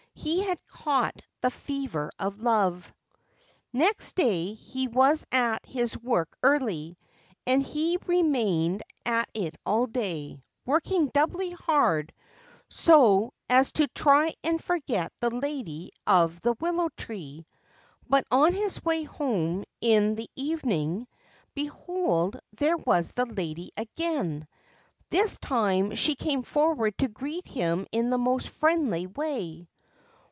He had caught the fever of love. Next day he was at his work early ; and he remained at it all day, working doubly hard, so as to try and forget the lady of the willow tree ; but on his way home in the 13 Ancient Tales and Folklore of Japan evening, behold, there was the lady again ! This time she came forward to greet him in the most friendly way.